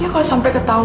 ya kalau sampai ketahuan